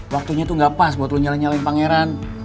waktunya tuh gak pas buat lu nyalain nyalain pangeran